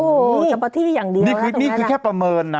โอ้โหจับประที่อย่างเดียวล่ะตรงนั้นล่ะนี่คือแค่ประเมินน่ะ